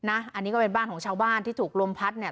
อันนี้ก็เป็นบ้านของชาวบ้านที่ถูกลมพัดเนี่ย